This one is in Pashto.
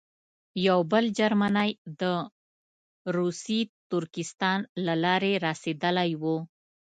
یو بل جرمنی د روسي ترکستان له لارې رسېدلی وو.